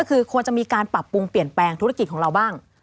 คือควรจะมีการปรับปรุงเปลี่ยนแปลงธุรกิจของเราบ้าง